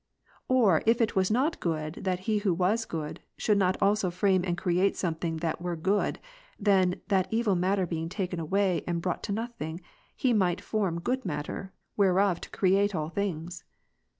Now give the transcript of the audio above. Or if it was not good that He who was good, should not also frame and create something that were good, then, that evil ^ matter being taken away and brought to nothing. He might vy) form good matter, whereof to create all things.